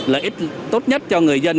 lợi ích tốt nhất cho người dân